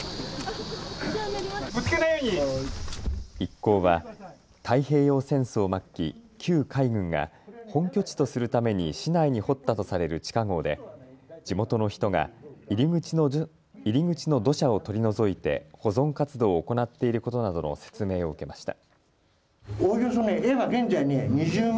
一行は太平洋戦争末期、旧海軍が本拠地とするために市内に掘ったとされる地下ごうで地元の人が入り口の土砂を取り除いて保存活動を行っていることなどの説明を受けました。